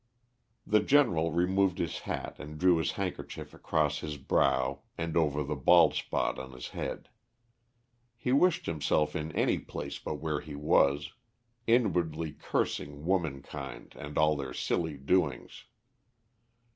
The General removed his hat and drew his handkerchief across his brow and over the bald spot on his head. He wished himself in any place but where he was, inwardly cursing woman kind and all their silly doings.